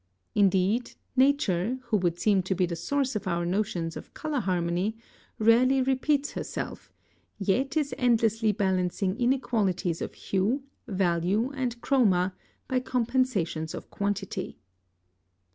Indeed, Nature, who would seem to be the source of our notions of color harmony, rarely repeats herself, yet is endlessly balancing inequalities of hue, value, and chroma by compensations of quantity.